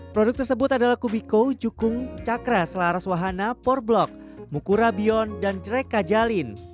produk tersebut adalah kubiko jukung cakra selaras wahana porblok mukurabion dan jereka jalin